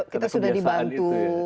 kita sudah dibantu